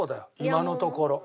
今のところ。